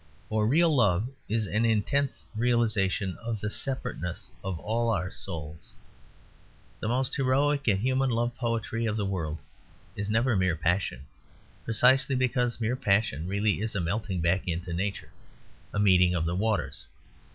For real love is an intense realisation of the "separateness" of all our souls. The most heroic and human love poetry of the world is never mere passion; precisely because mere passion really is a melting back into Nature, a meeting of the waters.